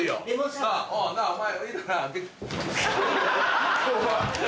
なぁお前。